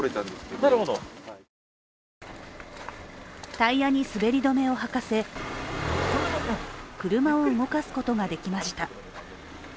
タイヤに滑り止めをはかせ、車を動かすことができました。